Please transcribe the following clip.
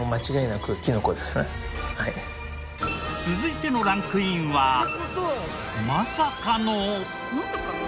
実は続いてのランクインはまさかの。